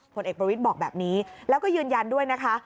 ผลเอกประวิทย์บอกแบบนี้แล้วก็ยืนยันด้วยนะคะ